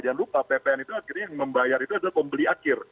jangan lupa ppn itu akhirnya yang membayar itu adalah pembeli akhir